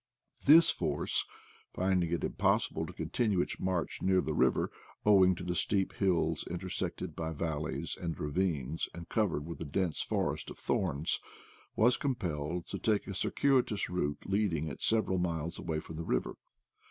This force, finding it impossible to con tinue its march near the river, owing to the steep hills intersected by valleys and ravines and cov ered with a dense forest of thorns, was compelled to take a circuitous route leading it several miles away from the water.